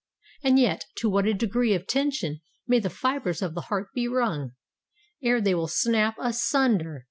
And yet to what a degree of tension may the fibres of the heart be wrung, ere they will snap asunder!